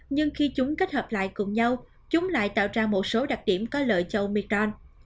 nhưng khi chúng kết hợp lại cùng nhau chúng lại tạo ra một số đặc điểm có lợi cho oecron